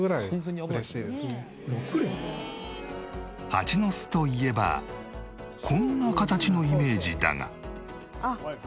ハチの巣といえばこんな形のイメージだが。